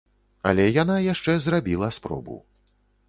Але яна яшчэ зрабіла спробу.